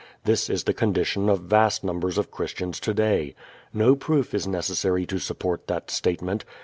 This is the condition of vast numbers of Christians today. No proof is necessary to support that statement.